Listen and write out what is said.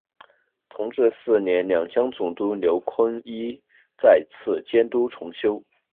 同治四年两江总督刘坤一再次监督重修。